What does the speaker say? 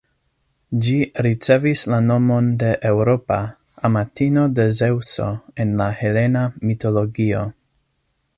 Ĝi ricevis la nomon de Eŭropa, amatino de Zeŭso en la helena mitologio.